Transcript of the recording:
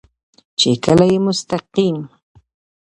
چې کله يې مستقيم